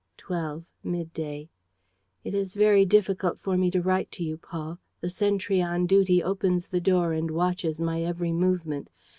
"Twelve mid day. "It is very difficult for me to write to you, Paul. The sentry on duty opens the door and watches my every movement.